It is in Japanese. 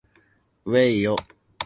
うぇいよ